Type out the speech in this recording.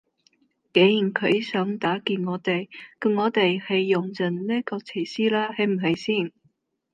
既然佢想打劫我哋，咁我哋梗係用盡呢個設施啦係咪先？